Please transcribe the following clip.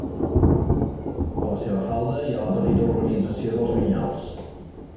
A la seva falda hi ha la petita urbanització dels Vinyals.